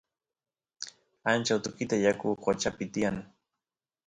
ancha utukita yaku qochapi tiyan